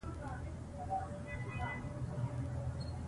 بې عدالتي اوږدمهاله نه وي